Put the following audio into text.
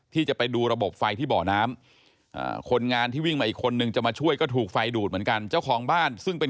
ที่จะไปดูระบบไฟที่เบาะน้ำ